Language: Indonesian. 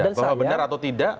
bahwa benar atau tidak